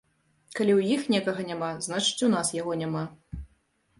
Калі ў іх некага няма, значыць у нас яго няма.